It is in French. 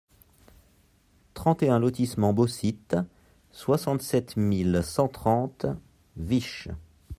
trente et un lotissement Beau-Site, soixante-sept mille cent trente Wisches